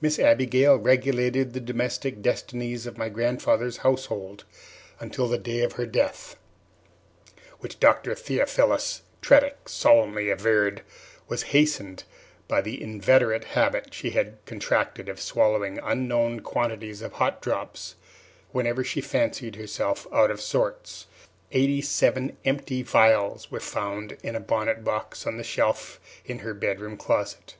Miss Abigail regulated the domestic destinies of my grandfather's household until the day of her death, which Dr. Theophilus Tredick solemnly averred was hastened by the inveterate habit she had contracted of swallowing unknown quantities of hot drops whenever she fancied herself out of sorts. Eighty seven empty phials were found in a bonnet box on a shelf in her bedroom closet.